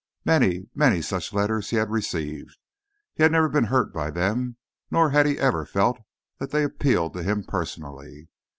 Many, many such letters he had received. He had never been hurt by them, nor had he ever felt that they appealed to him personally.